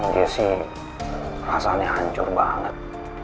jessy rasanya hancur banget